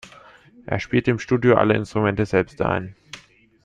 Er spielte im Studio alle Instrumente selbst ein.